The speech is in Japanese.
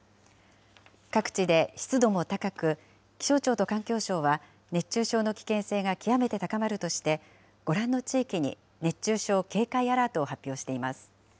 各地で湿度も高く、気象庁と環境省は、熱中症の危険性が極めて高まるとして、ご覧の地域に熱中症警戒アラートを発表しています。